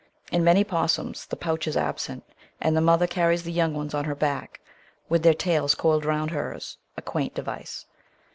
In many opossums the pouch is absent, and the mother carries the young ones on her back, with their tails coiled round hers — a quaint device.